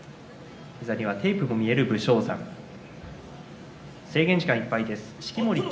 膝にはテープが見える武将山です。